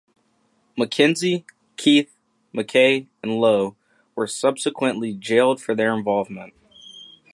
Mackenzie, Keith, Mackay and Lowe were subsequently jailed for their involvement.